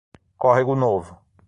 Córrego Novo